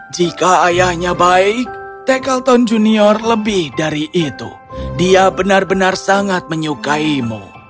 jika ayahnya baik tekalton junior lebih dari itu dia benar benar sangat menyukaimu